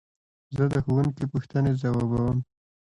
زه د ښوونکي پوښتنې ځوابوم.